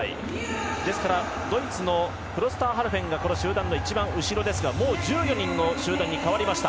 ですから、ドイツのクロスターハルフェンが集団の一番後ろですから１４人の集団に変わりました。